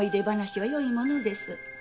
話はよいものです。